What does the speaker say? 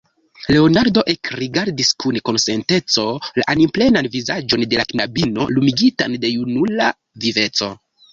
Leonardo ekrigardis kun konsenteco la animplenan vizaĝon de la knabino, lumigitan de junula viveco.